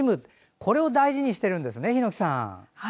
これを大事にしてるんですね